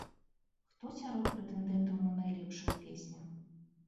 Хто сярод прэтэндэнтаў на найлепшую песню?